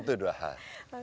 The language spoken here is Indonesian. itu dua hal